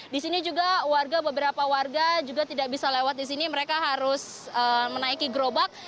di sini juga beberapa warga juga tidak bisa lewat di sini mereka harus menaiki gerobak